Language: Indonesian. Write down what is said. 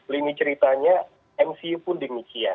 lini ceritanya mcu pun demikian